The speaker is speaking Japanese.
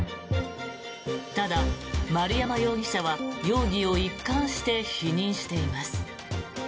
ただ、丸山容疑者は容疑を一貫して否認しています。